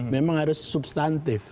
memang harus substantif